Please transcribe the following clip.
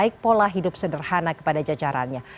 baik pola hidup sederhana kepada jajarannya